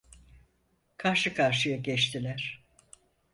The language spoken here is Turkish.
Karşı karşıya geçtiler.